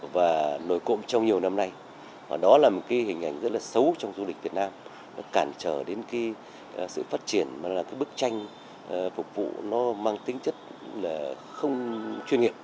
và nổi cổ trong nhiều năm nay đó là một hình ảnh rất xấu trong du lịch việt nam nó cản trở đến sự phát triển bức tranh phục vụ nó mang tính chất không chuyên nghiệp